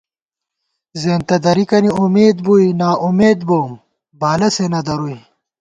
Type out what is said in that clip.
زېنتہ درِکَنی امېد بُوئی نا اُمېد بوم بالہ سے نہ دروئی